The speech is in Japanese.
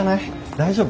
大丈夫？